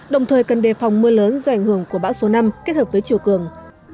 đồng thời cần đề phòng mưa lớn do ảnh hưởng của bão số năm kết hợp với chiều cường